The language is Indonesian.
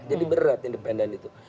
jadi berat independen itu